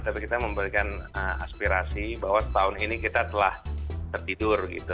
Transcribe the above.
tapi kita memberikan aspirasi bahwa setahun ini kita telah tertidur gitu